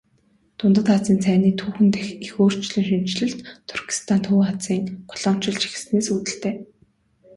Дундад Азийн цайны түүхэн дэх их өөрчлөн шинэчлэлт Туркестан Төв Азийг колоничилж эхэлснээс үүдэлтэй.